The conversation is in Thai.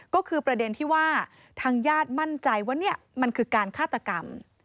ก็คือประเด็นที่ว่าทางญาติมั่นใจว่านี่มันคือการฆาตกรรม